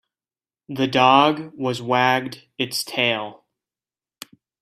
The dog was wagged its tail.